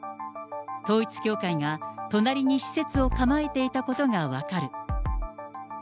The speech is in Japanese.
統一教会が隣に施設を構えていたことが分かる。